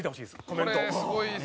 コメントを。